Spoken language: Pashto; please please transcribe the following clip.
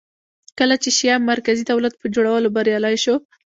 کله چې شیام مرکزي دولت په جوړولو بریالی شو